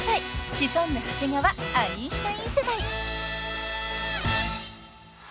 ［シソンヌ長谷川アインシュタイン世代］